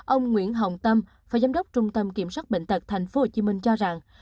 ông nguyễn hồng tâm phó giám đốc trung tâm kiểm soát bệnh tật tp hcm cho rằng